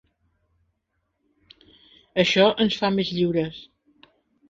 Això ens fa més lliures.